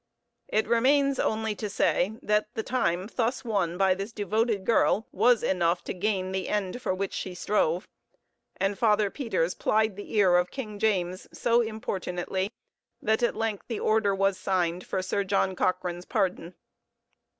It remains only to say that the time thus won by this devoted girl was enough to gain the end for which she strove; and Father Peters plied the ear of King James so importunately that at length the order was signed for Sir John Cochrane's pardon.